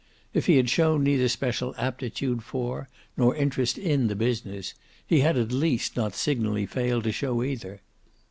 If he had shown neither special aptitude for nor interest in the business, he had at least not signally failed to show either.